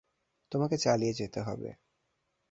তোমাকে চালিয়ে যেতে হবে।